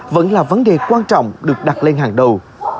vẫn là vấn đề quan trọng được đặt lên hàng đầu